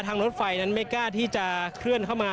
รถไฟนั้นไม่กล้าที่จะเคลื่อนเข้ามา